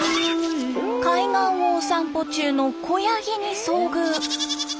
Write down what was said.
海岸をお散歩中の子ヤギに遭遇。